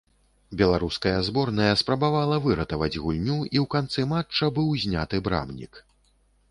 Беларуская зборная спрабавала выратаваць гульню і ў канцы матча быў зняты брамнік.